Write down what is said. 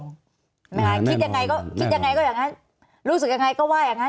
คิดยังไงก็อย่างนั้นรู้สึกยังไงก็ว่าอย่างนั้น